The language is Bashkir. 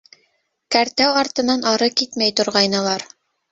- Кәртә артынан ары китмәй торғайнылар.